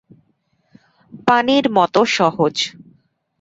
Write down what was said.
পানির মতো সহজ।